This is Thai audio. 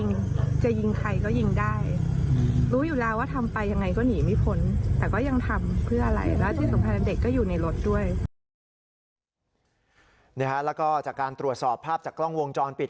แล้วก็จากการตรวจสอบภาพจากกล้องวงจรปิด